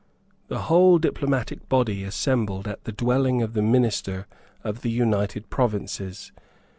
The whole diplomatic body assembled at the dwelling of the minister of the United Provinces.